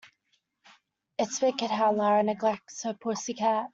It's wicked how Lara neglects her pussy cat.